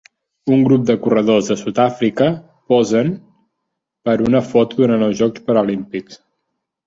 Un grup de corredors de Sud-àfrica posen per a una foto durant els jocs Paralímpics.